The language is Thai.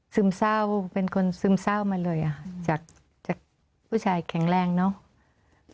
ซึมเศร้าเป็นคนซึมเศร้ามาเลยอะค่ะจากจากผู้ชายแข็งแรงเนอะ